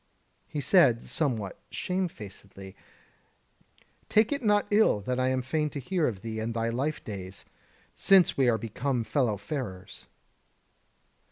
He said, somewhat shame facedly: "Take it not ill that I am fain to hear of thee and thy life days, since we are become fellow farers."